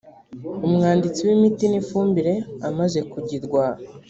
umwanditsi w’ imiti n ifumbire amaze kugirwa